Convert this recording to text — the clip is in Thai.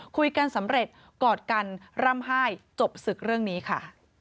สำเร็จกอดกันร่ำไห้จบศึกเรื่องนี้ค่ะ